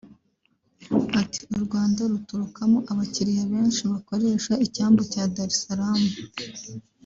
Ati “U Rwanda ruturukamo abakiriya benshi bakoresha icyambu cya Dar-es-Salaam